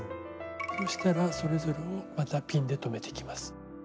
そうしたらそれぞれをまたピンで留めていきます。